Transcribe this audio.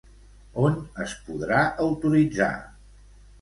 On es podrà autoritzar?